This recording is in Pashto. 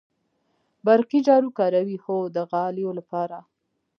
برقی جارو کاروئ؟ هو، د غالیو لپاره